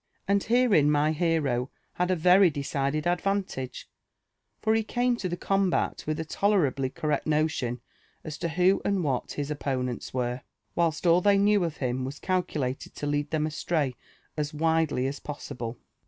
And 'herein my hero had a very decided advantage ; for he came to the combat with a tolerably correct notion as to who and what his opponents were, whilst all they knew of him was calculated to lead Ihem astray as widely as possible.